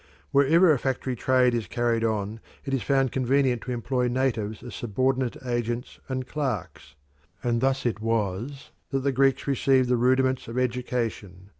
Wherever a factory trade is carried on it is found convenient to employ natives as subordinate agents and clerks. And thus it was that the Greeks received the rudiments of education.